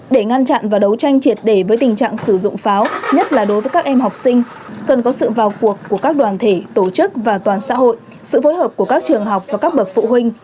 để với tình trạng sử dụng pháo nhất là đối với các em học sinh cần có sự vào cuộc của các đoàn thể tổ chức và toàn xã hội sự phối hợp của các trường học và các bậc phụ huynh